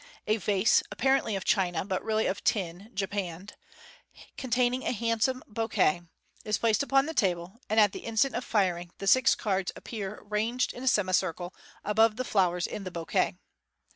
A vase (appa. rently of china, but really of tin, japanned), containing a handsome bouquet, is placed upon the table, and, at the instant of firing, the six cards appear ranged in a semicircle above the flowers in the bouquet.